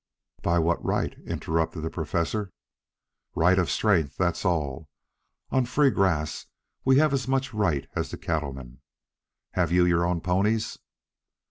"By what right?" interrupted the Professor. "Right of strength, that's all. On free grass we have as much right as the cattle men. Have you your own ponies?"